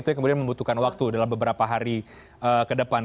itu yang kemudian membutuhkan waktu dalam beberapa hari ke depan